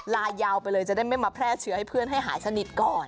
ลายาวไปเลยจะได้ไม่มาแพร่เชื้อให้เพื่อนให้หายสนิทก่อน